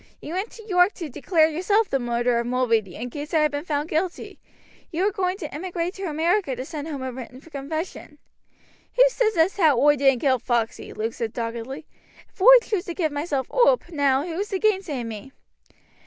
You went to York to declare yourself the murderer of Mulready, in case I had been found guilty. You were going to emigrate to America to send home a written confession." "Who says as how oi didn't kill Foxey?" Luke said doggedly. "If oi choose to give myself oop now who is to gainsay me?"